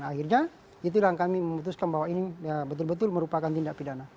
akhirnya itulah kami memutuskan bahwa ini betul betul merupakan tindak pidana